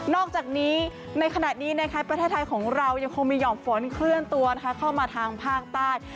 อกจากนี้ในขณะนี้ประเทศไทยของเรายังคงมีห่อมฝนเคลื่อนตัวเข้ามาทางภาคใต้